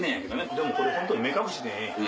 でもこれホント目隠しにええ。